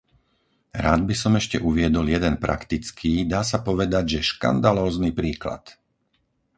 Rád by som ešte uviedol jeden praktický, dá sa povedať, že škandalózny príklad.